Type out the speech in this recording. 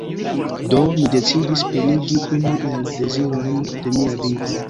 Do, mi decidis plenigi unu el dezirojn de mia vivo.